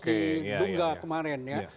di dunga kemarin ya